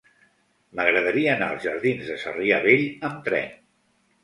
M'agradaria anar als jardins de Sarrià Vell amb tren.